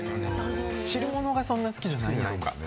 汁物がそんなに好きじゃない。